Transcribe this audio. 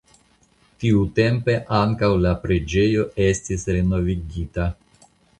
Tiutempe ankaŭ la preĝejo estis renovigita.